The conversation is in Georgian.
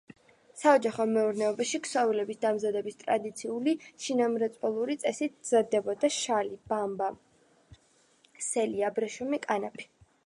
საოჯახო მეურნეობაში ქსოვილების დამზადების ტრადიციული, შინამრეწველური წესით მზადდებოდა შალი, ბამბა, სელი, აბრეშუმი, კანაფი.